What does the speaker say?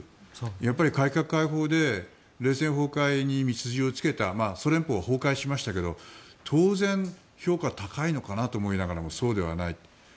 やっぱり改革開放で冷戦崩壊に道筋をつけたソ連邦は崩壊しましたが当然、評価は高いのかなと思いながらそうではないと。